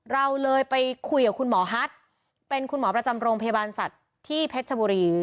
เราเลยไปคุยกับคุณหมอฮัทเป็นคุณหมอประจำโรงพยาบาลสัตว์ที่เพชรชบุรี